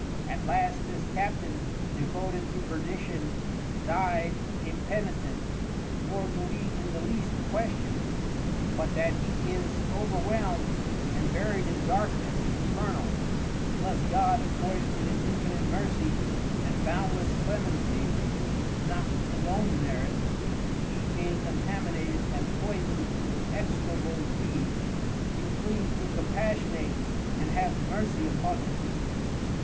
At last this Captain devoted to Perdition dyed impenitent, nor do we in the least question, but that he is overwhelmed and buried in Darkness Infernal, unless God according to his Infinite Mercy and boundless Clemency, not his own Merits, (he being contaminated and poison'd with Execrable Deeds,) be pleas'd to compassionate and have Mercy upon him.